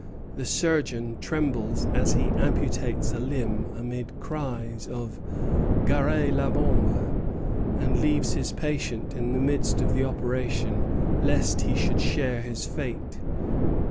The surgeon trembles as he amputates a limb amid cries of Gare la bombe! and leaves his patient in the midst of the operation, lest he should share his fate.